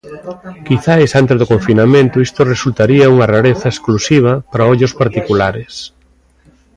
Quizais antes do confinamento isto resultaría unha rareza exclusiva para ollos particulares.